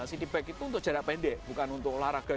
city bag itu untuk jarak pendek bukan untuk olahraga